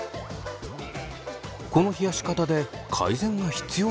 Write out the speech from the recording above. この冷やし方で改善が必要なのは。